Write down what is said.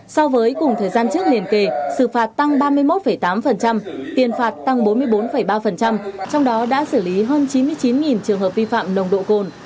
so với cùng thời gian trước liên kề xử phạt tăng ba mươi một tám tiền phạt tăng bốn mươi bốn ba trong đó đã xử lý hơn chín mươi chín trường hợp vi phạm nồng độ cồn